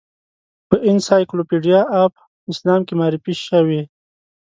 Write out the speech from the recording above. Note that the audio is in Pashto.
په انسایکلوپیډیا آف اسلام کې معرفي شوې.